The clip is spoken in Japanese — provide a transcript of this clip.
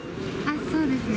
そうですね。